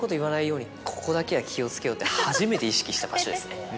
「ここだけは気を付けよう」って初めて意識した場所ですね。